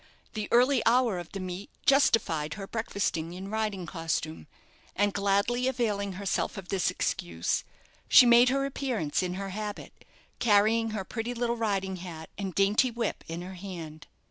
The early hour of the meet justified her breakfasting in riding costume; and gladly availing herself of this excuse, she made her appearance in her habit, carrying her pretty little riding hat and dainty whip in her hand.